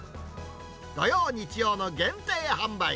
土曜、日曜の限定販売。